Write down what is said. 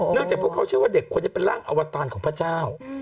จากพวกเขาเชื่อว่าเด็กคนนี้เป็นร่างอวตารของพระเจ้า